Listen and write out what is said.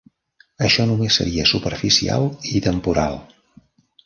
Això només seria superficial i temporal.